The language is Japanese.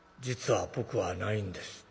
『実は僕はないんです』」。